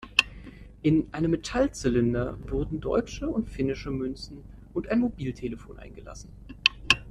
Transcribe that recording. In einem Metallzylinder wurden deutsche und finnische Münzen und ein Mobiltelefon eingelassen.